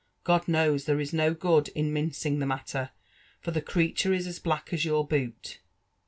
God knows, there is no good in mincing the matter,' for the cretur is as black as your boot."